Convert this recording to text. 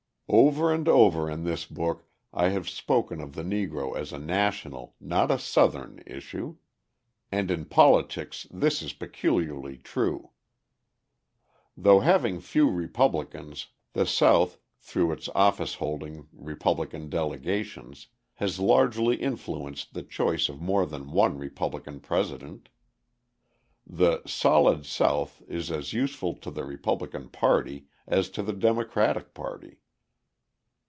Over and over in this book I have spoken of the Negro as a national, not a Southern issue; and in politics this is peculiarly true. Though having few Republicans, the South, through its office holding Republican delegations, has largely influenced the choice of more than one Republican president. The "Solid South" is as useful to the Republican party as to the Democratic party.